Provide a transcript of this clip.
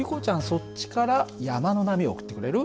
そっちから山の波を送ってくれる？